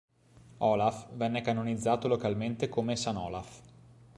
Olaf venne canonizzato localmente come San Olaf.